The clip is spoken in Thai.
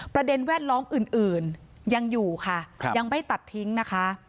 แวดล้อมอื่นยังอยู่ค่ะยังไม่ตัดทิ้งนะคะ